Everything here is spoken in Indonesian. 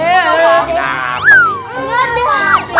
eh wah pakde pakde